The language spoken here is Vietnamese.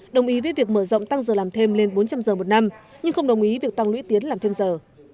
đồng ý với việc mở rộng tăng giờ làm thêm lên bốn trăm linh giờ một năm nhưng không đồng ý việc tăng lũy tiến làm thêm giờ